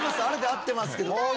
あれで合ってますけど。